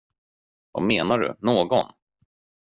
Vad menar du, någon?